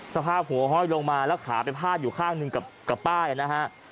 สภาพหัวห้อยลงมาแล้วขาไปพาดอยู่ข้างหนึ่งกับป้ายนะฮะ